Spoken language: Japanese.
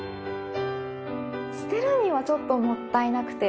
捨てるにはちょっともったいなくて。